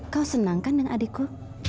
kau senangkan dengan adikku